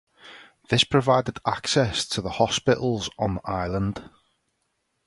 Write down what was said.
This provided access to the hospitals on the island.